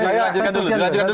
contoh saya lanjutkan dulu